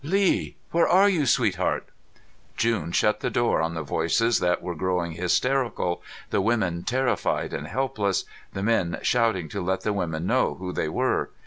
"Lee, where are you, sweetheart " June shut the door on the voices that were growing hysterical, the women terrified and helpless, the men shouting to let the women know who they were.